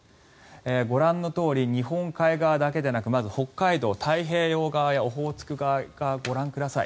ご覧のとおり日本海側だけでなく北海道、太平洋側オホーツク海側をご覧ください。